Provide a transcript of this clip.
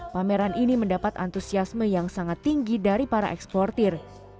pameran ini mendapat antusiasme yang sangat tinggi dari para eksportir